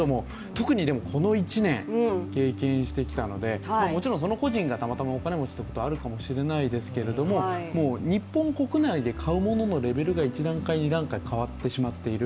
特にこの１年経験してきたので、もちろんその個人がたまたまお金持ちということがあるかもしれませんけれども、もう日本国内で買うもののレベルが１段階、２段階変わってしまっている。